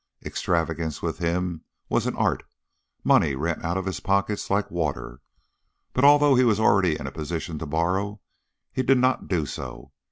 Extravagance with him was an art, money ran out of his pockets like water, but although he was already in a position to borrow, he did not do so.